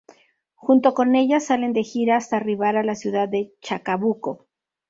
Junto con ella salen de gira hasta arribar a la ciudad de Chacabuco.